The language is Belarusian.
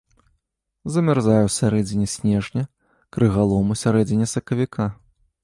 Замярзае ў сярэдзіне снежня, крыгалом у сярэдзіне сакавіка.